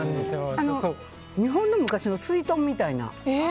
日本の昔のすいとんみたいな。